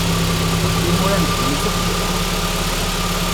Timura n ddunit akk n ufrux.